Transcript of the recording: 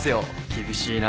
厳しいなぁ。